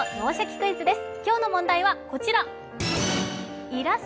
クイズ」です。